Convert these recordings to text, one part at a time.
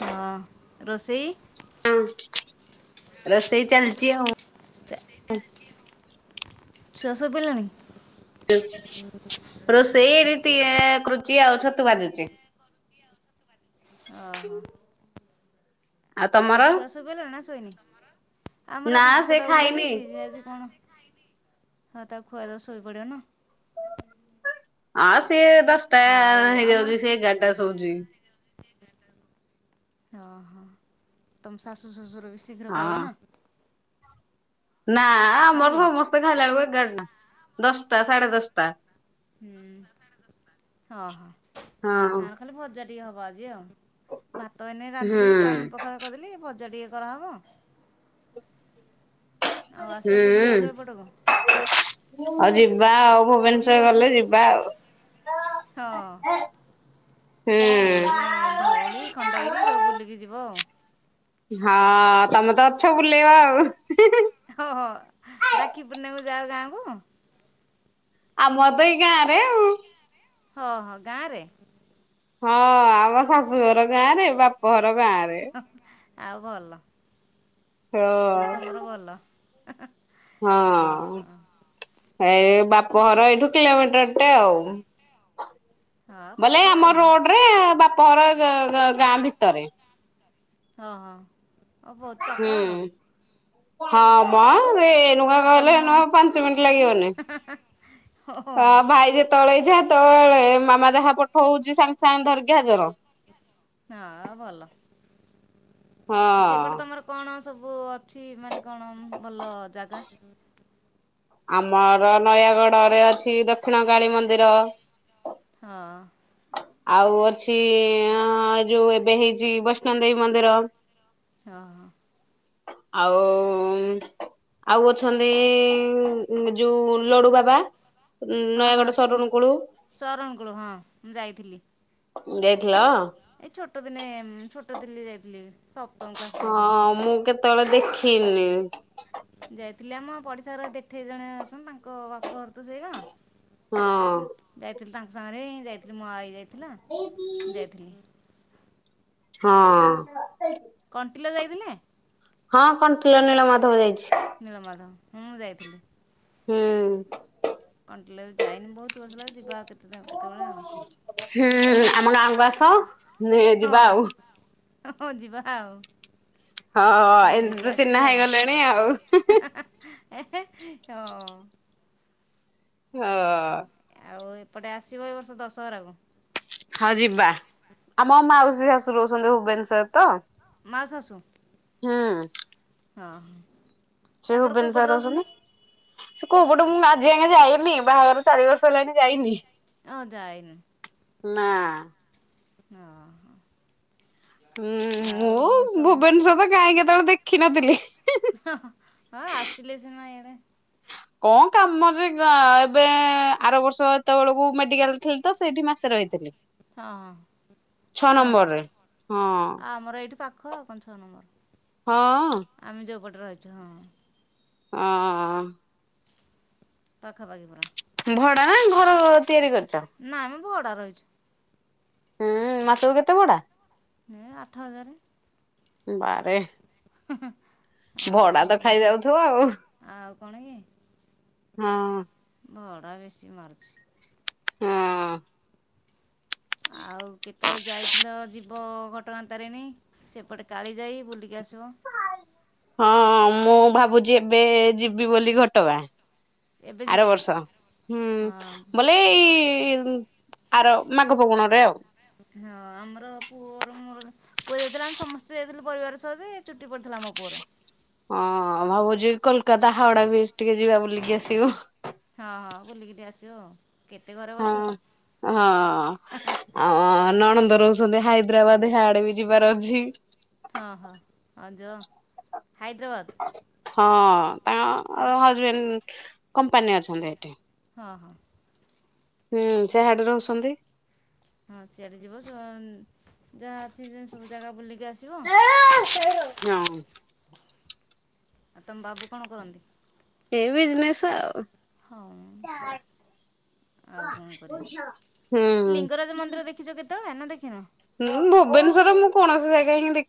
ହଁ ରୋଷେଇ? ହଁ, ରୋଷେଇ ଚାଲିଛି ଆଉ। ଛୁଆ ଶୋଇ ପଇଲାଣିି? ରୋଷେଇ ରୀତି କୃଚି ଆଉ ଛତୁ ବାଜୁଚି। ଅ ହ। ଆଉ ଛୁଆ ଶୋଇପଇଲା ନା ଶୋଇନି? ଆମର ନା ଭାତ ସେ ଟା ଓହ୍ଲେଇ ଖାଇନି ଦେଇଛି। ଯାଉଛି କଣ ହଁ ତାକୁ ଖୁଆ ଦିଅ ଶୋଇ ପଡିବ ନା। ଆଁ ସିଏ ଦଶଟା ଆଉ ଆମର ହେଇଯାଉଛି ସେ ଏଗାରଟା ଶୋଉଛି। ଓହୋ ହଁ ତମ ଶାଶୁ ଶଶୁର ବି ଶୀଘ୍ର ଖାଇବେ ନା? ନାଁ ନାଇଁ ଆମର କି ସମସ୍ତେ ଖାଇଲା ବେଳକୁ ଏଗାରଟା ଦଶଟା ସାଢେ ଦଶଟା। ହୁଁ ଦଶ ଟା ସାଢେ ଦଶ ଟା ହଁ ହଁ ଆମର ଖାଲି ଭଜା ଟିକେ ହବ ଆଜି ଆଉ। ଭାତ ଏନେ ହୁଁ ରାନ୍ଧିଲି ଯେ ଛାଇଁ ପଖାଳ କରିଦେଲି ଭଜା ଟିକେ କରାହବ। ଆଉ ଆସ ହୁଁ ବୁଲିବାକୁ ଏପଟକୁ ଆଜି ବାହବୁ ଭୁବନେଶ୍ଵର ବୁଲିବାକୁ ଗଲେ ଯିବା ଆଉ। ହଁ। ହୁଁ ବୁଲିକି ଧଉଳି ଖଣ୍ଡଗିରି ସବୁ ବୁଲିକି ଯିବ ଆଉ। ହଁ ତମେ ତ ଅଛ ବୁଲେଇବ ଆଉ ତା ଗାଁକୁ। ଆମର ତ ଏଇ ଗାଁରେ ଆଉ। ହଁ ହଁ ଗାଁରେ ହଁ ଆମ ଶାଶୁଘର ଗାଁ ରେ ବାପ ଘର ଗାଁ ରେ। ଆଉ ଭଲ। ଆଉ ହଁ ତୁମର ଭଲ। ହଁ। ଓହୋ ହେ ବାପଘର ଏଇଠୁ କିଲୋମିଟରଟେ ଆଉ। ହଁ ପାଖ ବୋଲେ ଆଉ ଆମ କଣ ରୋଡ ରେ ବାପ ଘର ଗ ଗ ଗାଁ ଭିତରେ। ଅ ହ ବହୁତ ହୁଁ। ପାଖ ଆଉ କଣ। ହଁ ମ ଏନୁକା ଆଉ ଗଲେ ତମ ଏନୁ ଆଉ ପାଞ୍ଚ ମିନିଟ ଲାଗିବନି। ହଁ ଭାଇ ଯେତେବେଳେ ଇଛା ତ ଏ ମାମା ଯାହା ପଠଉଛି ସାଙ୍ଗେ ସାଙ୍ଗେ ଧରକି ହାଜର। ହଁ ଭଲ ସେପଟେ ହଁ। ତମର କଣ ସବୁ ଚି ମାନେ କଣ ଭଲ ଜାଗା। ଆମର ନୟାଗଡରେ ଅଛି ଦକ୍ଷିଣ କାଳୀ ମନ୍ଦିର। ହଁ। ଆଉ ଅଛି ହଁ ଯୋଉଁ ଏବେ ହେଇଛି ବୈଷ୍ଣବ ଦେବୀ ମନ୍ଦିର। ହଁ- ହଁ। ଆଉ ଉଁ ଆଉ ଅଛନ୍ତି ଯୋଉ ଲଡୁ ବାବା। ହଁ ହଁ ନୟାଗଡ଼ ସରୁଣୁ କୁଳୁ ଶରଣ କୋଳ ହଁ ମୁଁ ଯାଇଥିଲି। ଯାଇଥିଲ? ଏଇ ଛୋଟ ଦିନେ ଛୋଟ ଦିଲ୍ଲୀ ଯାଇଥିଲି। ସପ୍ତମ କ୍ଲାସ୍ ପଢ଼ୁଥିଲି ହଁ ମୁଁ କେତେବେଳେ ଦେଖିନି। ଯାଇଥିଲି ଆମ ପଡିଶା ଘର ଦେଠେଇ ଜଣେ ଅଛନ୍ତି ତାଙ୍କ ବାପ ଘର ତ ସେଇ ଗାଁ। ହଁ। ତାଙ୍କ ଯାଇଥିଲି ସାଙ୍ଗରେ ହିଁ ଯାଇଥିଲି ମୋ ଆଇ ଯାଇଥିଲା ଯାଇଥିଲି। ହଁ ହଁ। କଣ୍ଟିଲ ଯାଇଥିଲେ? ହଁ କଣ୍ଟିଲ ନୀଳ ମାଧବ ଯାଇଛି। ନୀଳମାଧବ ମୁଁ ଯାଇଥିଲି। ହୁଁ। କଣ୍ଟିଲ ଯାଇନି ବହୁତ ବର୍ଷ ହେଲା ଯିବା ଆଉ କେତେ କେତେବେଳେ ଆଉ। ହୁଁ ଆମ ଗାଁକୁ ଆସ ଯିବା ଆଉ। ହୁଁ ଯିବା ଆଉ। ହଁ ଏମତି ବୁଲିକି ତ ଚିହ୍ନା ଆସିବା ହେଇଗଲେଣି ଆଉ। ଏହେଁ ହଁ। ହ। ଆଉ ଏପଟେ ଆସିବ ଏ ବର୍ଷ ଦଶହରାକୁ। ହଁ ଯିବା ଆମ ମାଉସୀ ଶାଶୁ ରହୁଛନ୍ତି ଭୁବନେଶ୍ଵରରେ ତ ମା ଶାଶୁ। ହୁଁ। ହଁ। ସେ ତାଙ୍କର କେଉଁ ପଟେ ଭୁବେନସ୍ୱର ରହୁଛନ୍ତି ରଛନ୍ତିନ ସେ କୋଉ ପଟୁ ମୁଁ ଆଜି ଆ ଯାଇବି ନି ବାହାଘର ଚାରି ବର୍ଷ ହେଲାଣି ଯାଇନି। ଓ ଯାଇନି? ନା। ହଁ। ହୁଁ ଆଉ ମୁଁ ସବୁ ଭୁବନେଶ୍ୱର ତ କାହିଁ କେତେବେଳେ ଦେଖିନଥିଲି। ହଁ ଆସିଲେ ସିନା ଏଣେ କଣ କାମ ଯେ ଏବେ ଆର ବର୍ଷ ଯେତେବେଳକୁ ମେଡିକାଲ ଥିଲି ତ ସେଇଠି ମାସେ ରହିଥିଲି। ହଁ ଛଅ ନମ୍ବର ହଁ ଆ ଆମର ଏଇଠି ପାଖ ଆଉ କଣ ଛଅ ହଁ। ନମ୍ବର ଆମେ ଯୋଉପଟ ରହୁଛୁ ହଁ। ହଁ। ପାଖା ପାାଖି ପୁରା। ଭଡା ନା ଘର ତିଆରି କରି ନାଇଁ ମୁଁ ଭଡା ରହିଛି। ହୁଁ ମାସକୁ କେତେ ଭଡା? ଏଁ ଆଠ ହଜାର। ବାରେ ହୁଁ ହୁଁ ଆଉ ଭଡା ତ ସବୁ ଖାଇଯାଉଥିବ ଆଉ ଆଉ କଣ କି ହଁ। ଭଡ଼ା ବେଶୀ ମାରୁଛି। ହୁଁ। ଆଉ କେତେବେଳେ ଯାଇଥିଲ ଯିବ ଘଟଣା ତାରିଣୀ ସେପଟେ କାଳି ଯାଇ ବୁଲିକି ଆସିବ ହଁ ମୁଁ ଭାବୁଛି ଏବେ ଯିବି ବୋଲି ଘଟଗାଁ। ଏବେ ଆର ଯିବେ ବର୍ଷ ହୁଁ ହଁ ବୋଲେ ଏଇ ଆର ମାଘ ଫଗୁଣରେ ଆଉ ହଁ ଆମର ପୁଅର ମୋର ପୁଅ ଯାଇଥିଲା ଆମେ ସମସ୍ତେ ଯାଇଥିଲୁ ପରିବାର ସହିତ ଚୁଟି ପଡିଥିଲା ଆମ ପୁଅର। ହଁ ଭାବୁଛି କୋଲକାତା ହାଓଡା ବି ଟିକେ ଯିବା ବୁଲିକି ଆସିବୁ। ହଁ ହଁ ବୁଲିକି ଆସିବ ଆଉ କେତେ ଘରେ ହଁ ବସିବ ହଁ ଆ ନଣନ୍ଦ ରୋ ହାଇଦ୍ରାବାଦ ଆଡେ ବି ଯିବାର ଅଛି। ହଁ ହଁ ହ ଯା ହାଇଦ୍ରାବାଦ ହଁ ତାଙ୍କ ହଜବେଣ୍ଡ କମ୍ପାନୀ ଅଛନ୍ତି ଏଠି। ହଁ ହଁ। ହୁଁ ସେ ହାଡ ରହୁଛନ୍ତି। ହଁ ସିଆରି ଯିବ ଯାହା ଅଛି ସେ ସବୁ ଜାଗା ବୁଲିକି ବୁଲିକି ଆସିବ। ହଁ ଆଉ ତମ ବାବୁ କଣ କରନ୍ତି? ଏ ବିଜନେସ ଆଉ। ହଁ। ହୁଁ। ଲିଙ୍ଗରାଜ ମନ୍ଦିର ଦେଖିଛ କେତେବେଳେ ନା ଦେଖିନ? ହୁଁ ଭୁବନଶ୍ଵର ମୁଁ କୌଣସି ଜାଗା ହିଁ ଦେଖି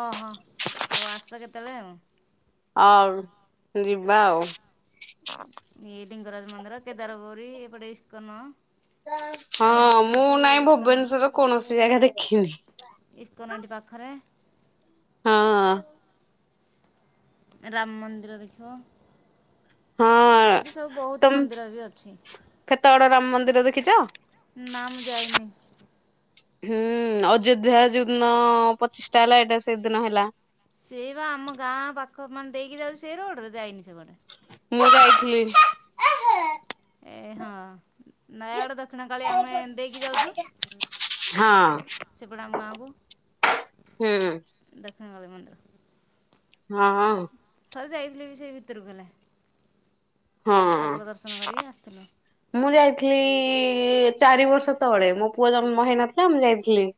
ଓହୋ ହଉ ଆସ କେତେବେଳେ ଆଉ ଆଉ ଯିବା ଆଉ ଏଇ ଲିଙ୍ଗରାଜ ମନ୍ଦର କେେଦର ଗୋରି ଏପଟ ଇସ୍କନ ହଁ ଆମେ ଯେଉଁଠି ମୁଁ ଅଛୁ ନାଇଁ ଇସ୍କନ ଭୁବନେଶ୍ଵର କୌଣସି ଜାଗା ଦେଖିନି। କନାଣ୍ଡି ପାଖରେ ହଁ। ରାମ ମନ୍ଦିର ଦେଖିବ। ହଁ ଏଠି ସବୁ ବହୁତ ତମ ମନ୍ଦିର ବି ଅଛି [inaudible] କେତେ ବଡ ରାମ ମନ୍ଦିର ଦେଖିଛ? ନାମୁଁ ଯାଇନି। ହୁଁ ଅଯୋଧ୍ୟା ଯୋଉଦିନ ପଚିଶ ଟା ହେଲା ଏଇଟା ସେଇଦିନ ହେଲା। ସେଇ ବା ଆମ ଗାଁ ପାଖ ମାନେ ଦେଇକି ଯାଉ ସେଇ ରୋଡରେ ଯାଇନି ସେପଟେ ମୁଁ ଯାଇଥିଲି। ଏ ହଁ ନୟାଗଡ ଦକ୍ଷିଣ କାଳି ଆମେ ଦେଇକି ଯାଉଛୁ। ହଁ ସେପଟେ ଆମ ଗାଁକୁ [inaudible] ହୁଁ। [unintelligible] ମନ୍ଦିର ହଁ। ଥରେ ଯାଇଥିଲି ବି ସେଇ ଭିତରକୁ ହେଲେ [inaudible] ହଁ ଠାକୁର ଦର୍ଶନ କରିକି ଆସିଥିଲୁ। [inaudible] ମୁଁ ଯାଇଥିଲି। ଚାରି ବର୍ଷ ତଳେ ମୋ ପୁଅ ଜ ମ ହେଇ ନଥିଲା ମୁଁ ଯାଇଥିଲି।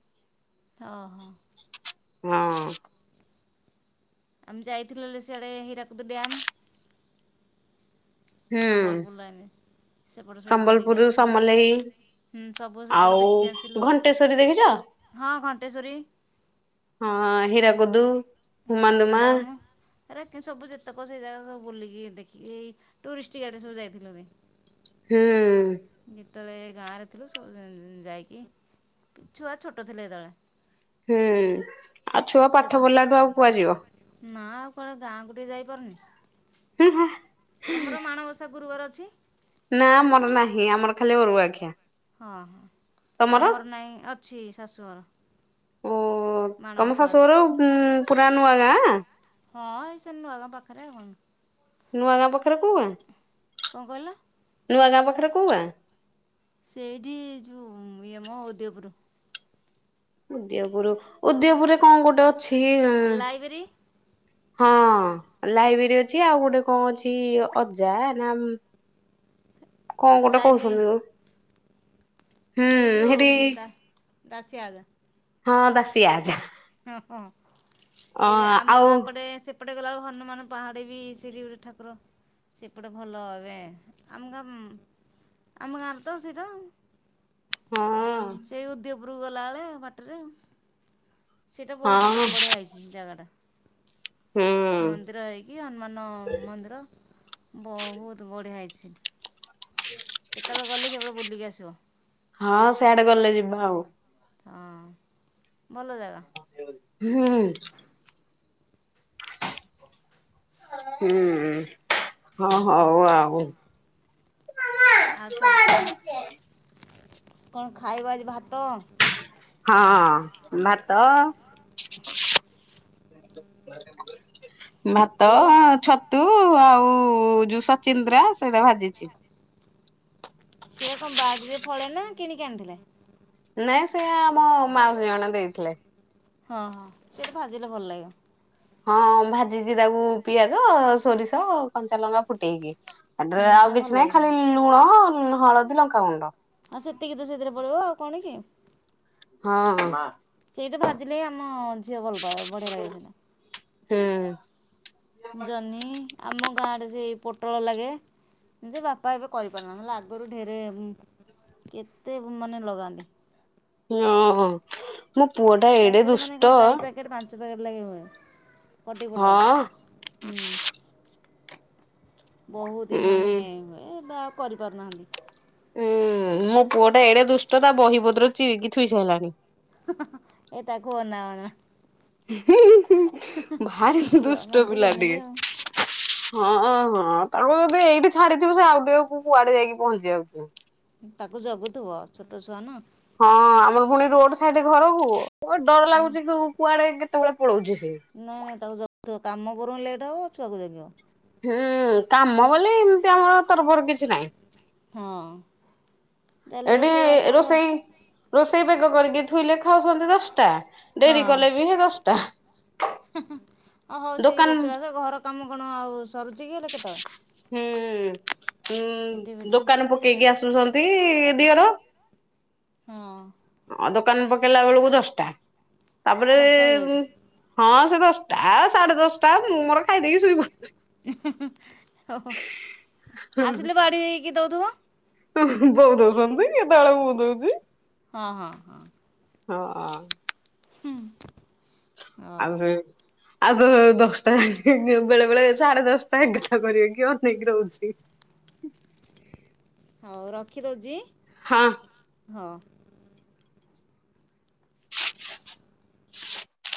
ଅ ହଁ। ହଁ। ଆମେ ଯାଇଥିଲ ସଆଡେ ହୀରାକୁଦ ଡାମ୍ ହୁଁ ସମ୍ବଲପୁର ଲାଇନି ସମ୍ବଲପୁର ସମଲେଇ ହୁଁ ସବୁ ସେପଟେ ଆଉ ଦେଖିକି ଆସିଲୁ ବା। ଘଣ୍ଟେଶ୍ଵରୀ ଦେଖିଛ? ହଁ ଘଣ୍ଟେଶ୍ଵରୀ ହଁ ହୀରାକୁୁଦୁ ହୀରାକୁଦୁ ଡାମ୍ ଏରାକ ସବୁ ଯେତେକ ସେଇ ସବୁ ବୁଲିକି ଦେଖିକି ଏ ଟୁରିଷ୍ଟ ଗାଡି ରେ ସବୁ ଯାଇଥିଲୁ ମେ ହୁଁ। ଯେତେବେଳେ ଗାଁ ରେ ଥିଲୁ ସବୁ ଯାଇକି ଛୁଆ ଛୋଟ ଥିଲେ ଯେତେଳେ ହୁଁ ଆଉ ଛୁଆ ସେତ ପାଠ ପଢ଼ିଲାଠୁ ଆଉ କୁଆ ଯିବ କଣ ଗାଁ କୁ ଟିକେ ଯାଇପାରୁନି ହୁଁ ହୁଁ [inaudible] ତମର ମାଣବସା ଗୁରୁବାର ଅଛି? ନା ଆମର ନାହିଁ ଆମର ଖାଲି ଅରୁଆଖିଆ। ହଁ ହଁ ଆମର ନାହିଁ ଅଛି ଶାଶୁଘର। ଓ ତମ ମାଣବସା ଅଛି ଶାଶୁଘର ପୁରା ନୂଆ ଗାଁ? ହଁ ସେଇ ନୂଆ ଗାଁ ପାଖରେ ଆଉ କଣ। ନୂଆ ଗାଁ ପାଖରେ କୋଉ ଗାଁ? କଣ କହିଲ? ନୂଆ ଗାଁ ପାଖରେ କୋଉ ଗାଁ? ସେଇଠି ଯୋଉ ଇଏ ମୋ ଓଦୟପୁର। ଉଦୟପୁର ଉଦୟପୁରରେ କଣ ଗୋଟେ ଅଛି ଉଁ ମ୍ ଲାଇବ୍ରେରୀ ହଁ ଲାଇବ୍ରେରୀ ଅଛି ଆଉ ଗୋଟେ କଣ ଅଛି ଅଜା ନା ମ୍ ହ କଣ ଗୋଟେ କହୁସନ୍ତି ଆଉ। ଏଇ ଯୋଉ ଦା ଦାସିଆ କା ହଁ ଦସିଆ ଆଜା। ତ ଅଁ ଏବେ ଆମ ଆଉ ଗାଁ ପଟେ ସେ ଏପଟେ ଗଲାବେଳେ ହନୁମାନ ପାହାଡେ ବି ସେବି ଗୋଟେ ଠାକୁର ସେପଟେ ଭଲ ଏବେ ଆମ ଗା ଆମ ଗାଁରେ ତ ସେଇତ ହଁଅ। ଓପର କୁ ଗଲାବେଳେ ବାଟରେ [inaudible] ସେଇଟା ବହୁତ ହଁ ବଢିଆ ହେଇଛି ଜାଗାଟା। ହୁଁ ମନ୍ଦିର ହେଇକି ହନୁମାନ ମନ୍ଦିର ବହୁତ ବଢିଆ ହେଇଛି। କେତେବେଳେ ଗଲେ ସେପଟେ ବୁଲିକି ଆସିବ। ହଁ ସେଆଡେ ଗଲେ ଯିବା ଆଉ। ହଁ। ଭଲ ଜାଗା ହୁଁ। ହୁଁ ହଁ ହଉ ଆଉ ଆଉ ସବୁ କଣ, କଣ ଖାଇବ ଆଜି ଭାତ? ହଁ ଭାତ ଭାତ ଛତୁ ଅଁ ଛତୁ। ଆଉ ଯୋଉ ସଚିନ୍ଦ୍ରା ସେଇଟା ଭାଜିଛି। ସେ କଣ ବାରିରେ ଫଳେ ନା କିଣିକି ଆଣିଥିଲେ? ନାଇଁ ସେ ଆମ ମାଉସୀ ଜଣେ ଦେଇଥିଲେ। ହଁ ହଁ ସେଟା ଭାଜିଲେ ଭଲ ଲାଗେ। ହଁ ହଁ ଭାଜିଛି ତାକୁ ପିଆଜ ସୋରିଷ କଞ୍ଚା ଲଙ୍କା ଫୁଟେଇକି। ଏଟାରେ ହୁଁ ନା ଆଉ ଭଲ କିଛି ଲାଗିବ ନାହିଁ ସେଇଟା ଖାଲି ଲୁଣ, ହଳଦୀ, ଲଙ୍କାଗୁଣ୍ଡ। ଆଉ ସେତିକି ତ ସେଥିରେ ପଡିବ ଆଉ କଣ କି? ହଁ ସେଇଟା ଭାଜିଲେ ଆମ ଝିଅ ଭଲପାଇବ ବଢିଆ ଲାଗିବ ସେଇଟା। ହଁ। ଜହ୍ନି ଆମ ଗାଁରେ ସେଇ ପୋଟଳ ଲାଗେ, ଯେ ବାପା ଏବେ କରିପାରୁନାହାନ୍ତି ନହେଲେ ଆଗରୁ ଢେରେ କେତେ ମାନେ ଲଗାନ୍ତି। ଓହୋ ମୋ ପୁଅ ଟା ଏଡେ ଦୁଷ୍ଟ। ଲାଗି ହୁଏ, ଫଟି ପୋଟଳ ହଁ ହୁଁ। ବହୁତ ହି ମାନେ ଉଁ। ବା କରିପାରୁନାହାନ୍ତି। ଉଁ ମୋ ପୁଅ ଟା ଏଡେ ଦୁଷ୍ଟ ତା ବହି ପତ୍ର ଚିରିକି ଥୋଇ ସାରିଲାଣି। ଏଇ ତାକୁ ଅନା ଅନା। ଭାରି ଦୁଷ୍ଟ ଛୁଆମାନେ ତ ପିଲା ସେମିତି ଆଉ ଟିକେ। ହଁଁ ହଁ ତାଙ୍କୁ ଯଦି ଏଇଠି ଛାଡିଥିବୁ ସେ ଆଉ ଟିକକୁ କୁଆଡେ ଯାଇକି ପହଞ୍ଚି ଯାଉଥିବ। ତାକୁ ଜଗୁଥିବ ଛୋଟ ଛୁଆ ନା। ହଁ ଆମର ପୁଣି ରୋଡ ସାଇଡ ଘରକୁ, ଡର ଲାଗୁଛି କୁଆଡେ କେତେବେଳେ ପଳଉଛି ସେ। ନାଇଁ ନାଇଁ ତାକୁ ଜଗୁଥିବ କାମ ବରଂ ଲେଟ୍ ହବ ଛୁଆକୁ ଜାଗିବ। ହୁଁ କାମ ବୋଲି ଏମିତି ଆମର ତରବର୍ କିଛି ନା। ହଁ ତାହେଲେ ଏଠି ରୋଷେଇବାସ ରୋଷେଇ ରୋଷେଇ ବେଗ କରିକି ଥୋଇଲେ ଖାଉଛନ୍ତି ଦଶଟା। ହଁ ଡେରି କଲେ ବି ହେ ଦଶଟା। ଓ ହଉ ସେଇ ଦୋକାନ ରୋଷେଇବାସ ଘର କାମ କଣ ଆଉ ସରୁଛି କି ହେଲେ ହୁଁ କେତେବେଳେ। ହୁଁ ପିଟି ଉଁ ପିଟି ଦୋକାନ ପକେଇକି ଆସୁଛନ୍ତି ଦିଅର। ହଁ। ଦୋକାନ ପକେଇଲା ବେଳକୁ ଦଶଟା ତାପରେ ଦଶଟା ଉଁ ହେଇଯାଉଛି ହଁ। ଦଶଟା ସାଢେ ଦଶଟା ମୁଁ ମୋର ଖାଇଦେଇକି ଶୋଇପ ଓହୋ, ଆସିଲେ ବାଢି ହେଇକି ଦଉଥିବ? ହୁ ଉଁ ବୋଉ ଦଉସନ୍ତି, କେତେବେଳେ ମୁଁ ଦଉଛି। ହଁ ହଁ ହଁ। ହଁ। ହୁଁ। ଆଉ ସେ ଆଉ ତ ଦଶଟା ବେଳେ ବେଳେ ସାଢେ ଦଶଟା ଏଗାରଟା କରିବେ କିଏ ଅନେଇକି ରହୁଛି? ହଉ ରଖିଦଉଛି, ହଁ ହଁ।